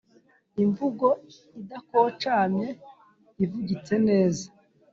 imvugo idakocamye, ivugitse neza